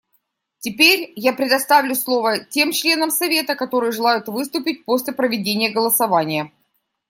Теперь я предоставлю слово тем членам Совета, которые желают выступить после проведения голосования.